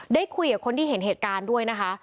ได้คุยกับคนที่เห็นเหตุการณ์ด้วยนะคะ